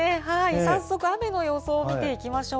早速、雨の予想を見ていきましょう。